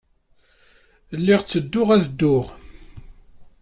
Lliɣ ttedduɣ ad dduɣ.